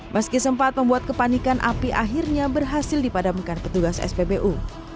meski sempat membuat kepanikan api akhirnya berhasil dipadamkan petugas spbu